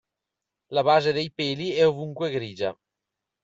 La base dei peli è ovunque grigia.